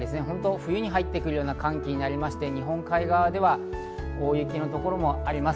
冬に入ってくるような寒気になりまして日本海側では大雪のところもあります。